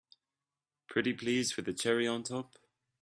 Pretty please with a cherry on top!